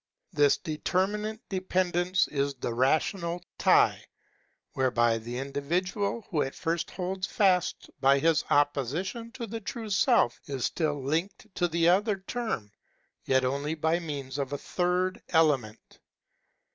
This determinate dependence is the rational Tie, whereby the individual who at first holds fast by his opposition to the true Self, is still linked to the other term, yet only by means of a third element.